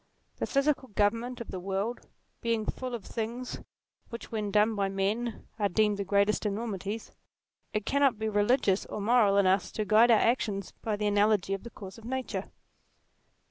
The physical government of the world being full of the things which when done by men are deemed the greatest enormities, it cannot be religious or moral in us to guide our actions by the analogy of the course of nature.